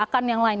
akan yang lain